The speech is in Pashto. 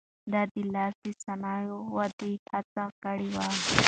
ده د لاس صنايعو ودې هڅه کړې وه.